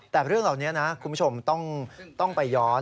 แต่เรื่องเหล่านี้นะคุณผู้ชมต้องไปย้อน